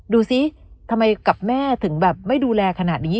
ดูสิทำไมกับแม่ถึงแบบไม่ดูแลขนาดนี้